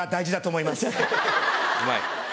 うまい。